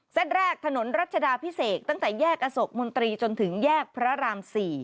เส้นแรกถนนรัชดาพิเศษตั้งแต่แยกอโศกมนตรีจนถึงแยกพระราม๔